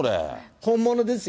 本物ですよ。